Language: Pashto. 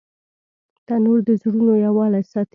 تنور د زړونو یووالی ساتي